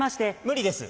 無理です。